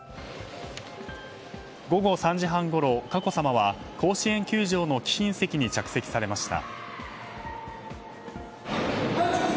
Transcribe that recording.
午後３時半ごろ佳子さまは甲子園球場の貴賓席に着席されました。